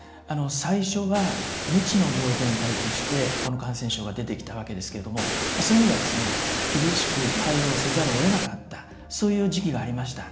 最初は、未知の病原体としてこの感染症が出てきましたわけですけれどもそういう意味では厳しく対応せざるをえなかったそういう時期がありました。